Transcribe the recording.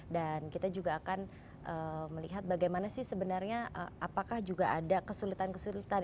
dan kita juga akan melihat bagaimana sih sebenarnya apakah juga ada kesulitan kesulitan